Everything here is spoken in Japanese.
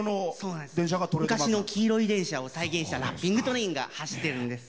昔の黄色い電車を再現したラッピングトレインが走っています。